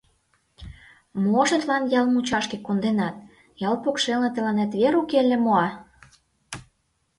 — Мо шотлан ял мучашке конденат — ял покшелне тыланет вер уке ыле мо, а?